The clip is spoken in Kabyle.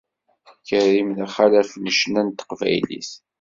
Karim d axalaf n ccna n teqbaylit.